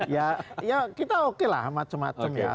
ya ya kita oke lah macam macam ya